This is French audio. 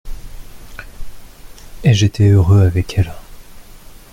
Et j'étais heureux avec elle.